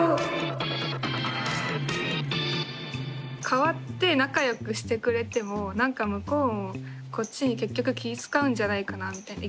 変わって仲よくしてくれてもなんか向こうもこっちに結局気ぃ遣うんじゃないかなみたいな。